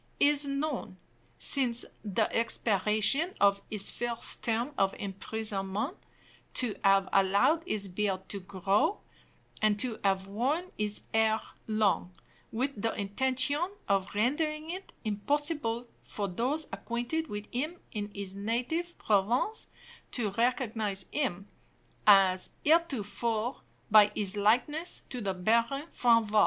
Is known, since the expiration of his first term of imprisonment, to have allowed his beard to grow, and to have worn his hair long, with the intention of rendering it impossible for those acquainted with him in his native province to recognize him, as heretofore, by his likeness to the Baron Franval.